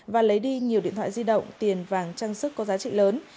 và lấy đi nhiều điện thoại di động tiền vàng trang sức có giá trị lớn